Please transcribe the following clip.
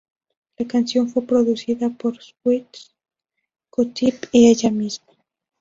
La canción fue producida por Switch, Q-Tip y ella misma.